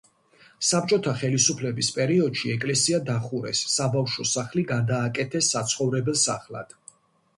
საბჭოთა ხელისუფლების პერიოდში ეკლესია დახურეს საბავშვო სახლი გადააკეთეს საცხოვრებელ სახლად.